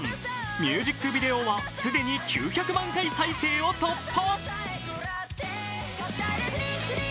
ミュージックビデオは既に９００万回再生を突破。